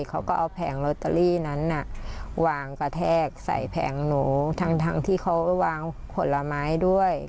เขาก็เอาแผงลอตเตอรี่นั้นน่ะวางกระแทกใส่แผงหนูทั้งที่เขาไปวางผลไม้ด้วย